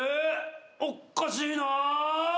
おっかしいな。